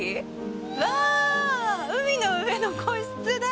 うわ、海の上の個室だ。